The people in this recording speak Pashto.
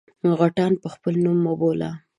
_غټان په خپل نوم مه بوله!